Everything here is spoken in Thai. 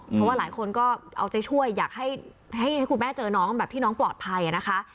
เพราะว่าหลายคนก็เอาใจช่วยอยากให้คุณแม่เจอน้องแบบที่น้องปลอดภัยนะคะ